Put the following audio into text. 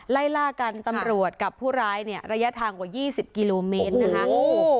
ไล่ล่ากันตำรวจกับผู้ร้ายเนี่ยระยะทางกว่า๒๐กิโลเมตรนะคะ